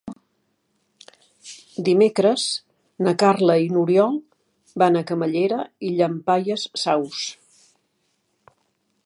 Dimecres na Carla i n'Oriol van a Camallera i Llampaies Saus.